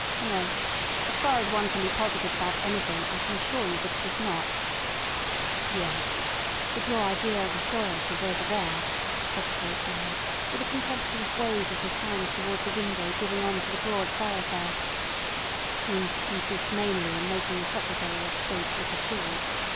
"No. As far as one can be positive about anything I can assure you that it is not." "Yes. But your idea of assurances over there," said the great man, with a contemptuous wave of his hand towards a window giving on the broad thoroughfare, "seems to consist mainly in making the Secretary of State look a fool.